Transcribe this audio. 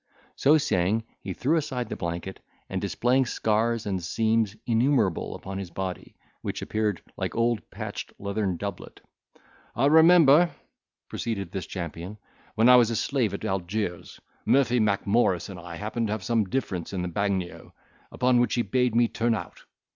So saying, he threw aside the blanket, and displayed scars and seams innumerable upon his body, which appeared like an old patched leathern doublet. "I remember," proceeded this champion, "when I was a slave at Algiers, Murphy Macmorris and I happened to have some difference in the bagnio, upon which he bade me turn out.